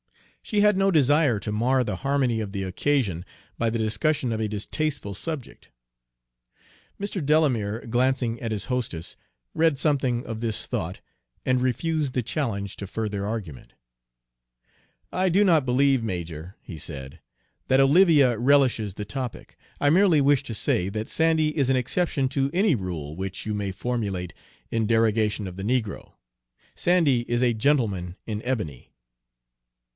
She had no desire to mar the harmony of the occasion by the discussion of a distasteful subject. Mr. Delamere, glancing at his hostess, read something of this thought, and refused the challenge to further argument. "I do not believe, major," he said, "that Olivia relishes the topic. I merely wish to say that Sandy is an exception to any rule which you may formulate in derogation of the negro. Sandy is a gentleman in ebony!"